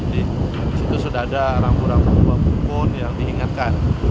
di situ sudah ada rambu rambu bukun yang diingatkan